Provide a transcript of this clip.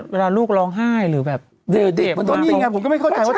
เวลาลูกร้องไห้หรือแบบเด็กมันโดนยิงไงผมก็ไม่เข้าใจว่า